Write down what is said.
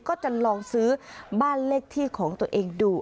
ก็จะลองซื้อบ้านเลขที่ของตัวเองดู